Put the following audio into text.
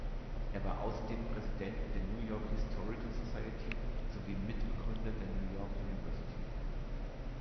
Er war außerdem Präsident der New-York Historical Society sowie Mitbegründer der New York University.